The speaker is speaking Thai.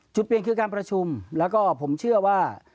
จุดเปลี่ยนคือการประชุมแล้วก็ผมเชื่อว่า